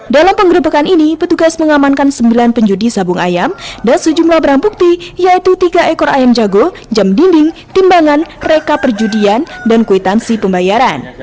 dalam penggerbekan ini petugas mengamankan sembilan penjudi sabung ayam dan sejumlah barang bukti yaitu tiga ekor ayam jago jam dinding timbangan reka perjudian dan kwitansi pembayaran